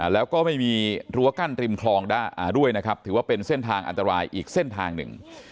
แล้วก็ไม่มีรั้วกั้นริมคลองด้วยนะครับถือว่าเป็นเส้นทางอันตรายอีกเส้นทางหนึ่ง